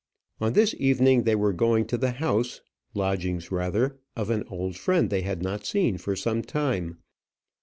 On this evening they were going to the house lodgings rather of an old friend they had not seen for some time.